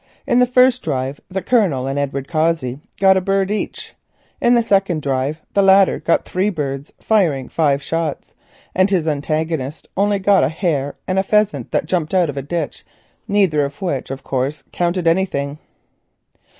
In the first drive the Colonel and Edward Cossey got a bird each. In the second drive the latter got three birds, firing five shots, and his antagonist only got a hare and a pheasant that jumped out of a ditch, neither of which, of course, counted anything.